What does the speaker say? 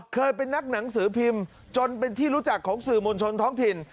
เคยเป็นนักหนังสือพิมพ์จนเป็นที่รู้จักของสื่อมวลชนท้องถิ่น